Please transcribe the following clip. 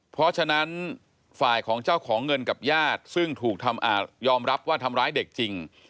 เพราะฉะนั้นฝ่ายของเจ้าของเงินกับญาติซึ่งถูกยอมรับว่าทำร้ายเด็กจริง